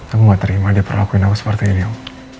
aku gak terima dia perlakuin apa seperti ini om